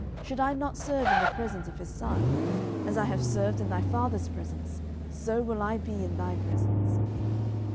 should I not serve in the presence of his son? as I have served in thy father's presence, so will I be in thy presence.